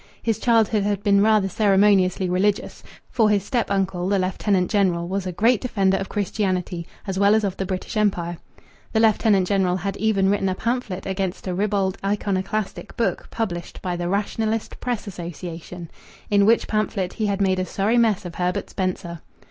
His childhood had been rather ceremoniously religious, for his step uncle, the Lieutenant General, was a great defender of Christianity as well as of the British Empire. The Lieutenant General had even written a pamphlet against a ribald iconoclastic book published by the Rationalist Press Association, in which pamphlet he had made a sorry mess of Herbert Spencer.